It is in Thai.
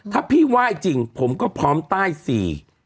ถ้าพี่ไหว้จริงผมก็พร้อมใต้สี่